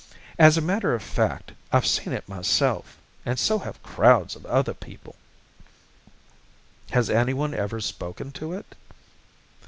As a matter of fact, I've seen it myself and so have crowds of other people." "Has anyone ever spoken to it?"